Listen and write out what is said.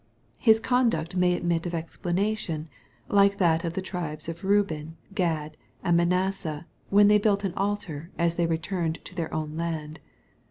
His conduct may admit of explanation, like that of the tribes of Beuben, Gad, and Manasseh, when they built an altar, as they returned to their own land.